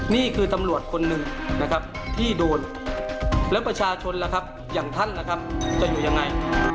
นี่คือตำรวจคนหนึ่งนะครับที่โดนแล้วประชาชนล่ะครับอย่างท่านล่ะครับจะอยู่ยังไง